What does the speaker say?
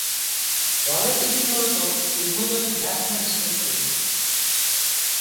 দলে তিনি মূলতঃ উদ্বোধনী ব্যাটসম্যান হিসেবে খেলতেন।